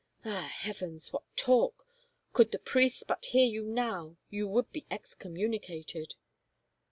" Ah, heavens, what talk ! Could the priests but hear you now, you would be excommunicated